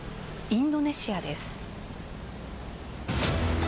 インドネシアです。